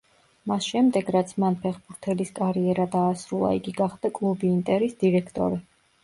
მას შემდეგ რაც მან ფეხბურთელის კარიერა დაასრულა, იგი გახდა კლუბი ინტერის დირექტორი.